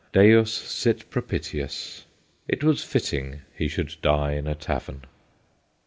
Deus sit pro pitius. ... It was fitting he should die in a tavern.